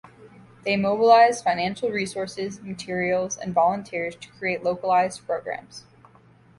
They mobilize financial resources, materials, and volunteers to create localized programs.